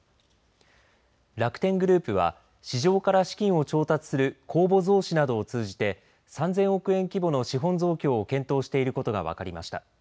楽天グループは市場から資金を調達する公募増資などを通じて３０００億円規模の資本増強を検討していることが分かりました。